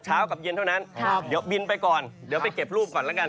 ช้างกับเย็นเท่านั้นเดี๋ยวบินไปก่อนไปเก็บรูปก่อนละกัน